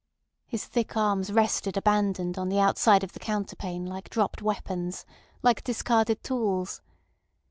His thick arms rested abandoned on the outside of the counterpane like dropped weapons, like discarded tools.